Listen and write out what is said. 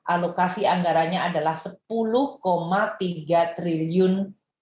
alokasi anggaranya adalah sepuluh tiga triliun